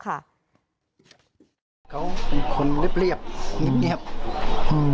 เขาเป็นคนเรียบนิบ